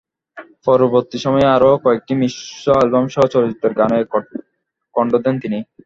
পরবর্তী সময়ে আরও কয়েকটি মিশ্র অ্যালবামসহ চলচ্চিত্রের গানেও কণ্ঠ দেন তিনি।